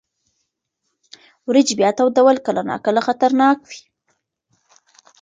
وریجې بیا تودول کله ناکله خطرناک وي.